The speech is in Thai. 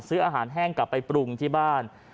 ซื้ออาหารแห้งกลับไปปรุงที่บ้าน